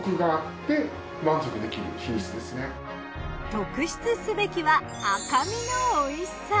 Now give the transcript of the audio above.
特筆すべきは赤身のおいしさ。